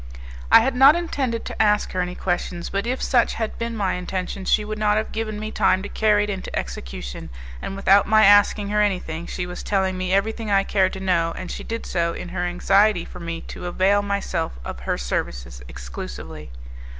I had not intended to ask her any questions, but if such had been my intention she would not have given me time to carry it into execution; and without my asking her anything, she was telling me everything I cared to know, and she did so in her anxiety for me to avail myself of her services exclusively.